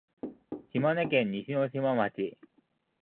島根県西ノ島町